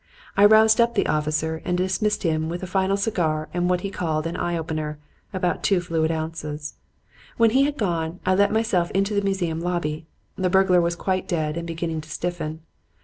I roused up the officer and dismissed him with a final cigar and what he called an 'eye opener' about two fluid ounces. When he had gone I let myself into the museum lobby. The burglar was quite dead and beginning to stiffen.